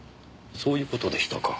そういう事でしたか。